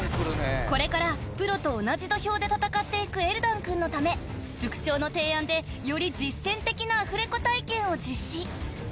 ［これからプロと同じ土俵で戦っていくエルダン君のため塾長の提案でより実践的なアフレコ体験を実施］